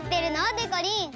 でこりん。